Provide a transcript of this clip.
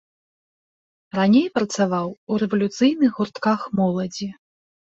Раней працаваў у рэвалюцыйных гуртках моладзі.